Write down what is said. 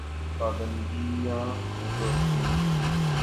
پابندیاں جو تھیں۔